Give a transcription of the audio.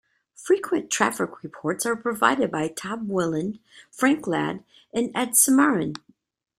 Frequent traffic reports are provided by Tim Wilund, Frank Ladd, and Ed Smaron.